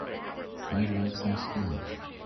I’d like some spinach.